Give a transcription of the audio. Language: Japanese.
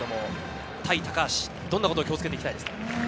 対高橋どんなことに気をつけたいですか？